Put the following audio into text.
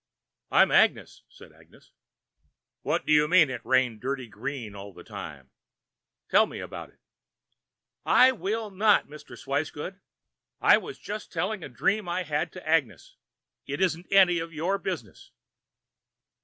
"I'm Agnes," said Agnes. "What did you mean it rained dirty green all the time? Tell me all about it." "I will not, Mr. Swicegood. I was just telling a dream I had to Agnes. It isn't any of your business."